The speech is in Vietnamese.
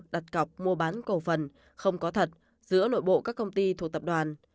đặt cọc mua bán cổ phần không có thật giữa nội bộ các công ty thuộc tập đoàn